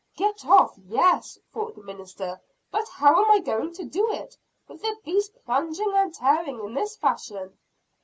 "'Get off!' yes!" thought the minister; "but how am I going to do it, with the beast plunging and tearing in this fashion?"